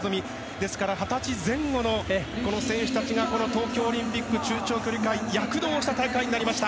ですから二十歳前後の選手たちが東京オリンピック中長距離界躍動した大会になりました。